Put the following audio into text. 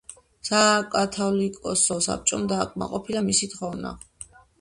საკათოლიკოსო საბჭომ დააკმაყოფილა მისი თხოვნა.